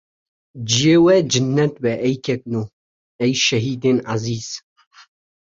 ciyê we cennet be ey kekno, ey şehîdên ezîz.